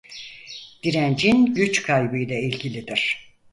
Direncin güç kaybıyla ilgilidir.